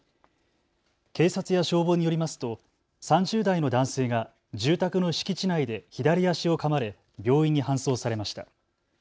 警察や消防によりますと３０代の男性が住宅の敷地内で左足をかまれ病院に搬送されました。